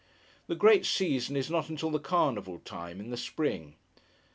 The great season is not until the carnival time—in the spring.